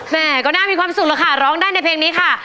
แม่ก็น่ามีความสุขแล้วค่ะร้องได้ในเพลงนี้ค่ะ